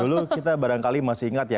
dulu kita barangkali masih ingat ya